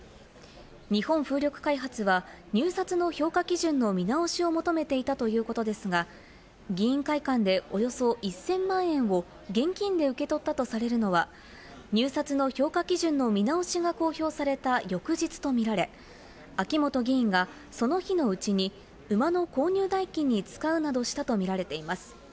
日本風力開発は、入札の評価基準の見直しを求めていたということですが、議員会館でおよそ１０００万円を現金で受け取ったとされるのは入札の評価基準の見直しが公表された翌日と見られ、秋本議員がその日のうちに馬の購入代金に使うなどしたと見られています。